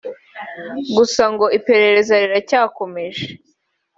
gusa ngo iperereza riracyakomeje